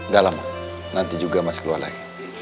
gak lama nanti juga masih keluar lagi